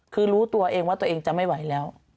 คือรู้ตัวเองว่าตัวเองจะไม่ไหวแล้ว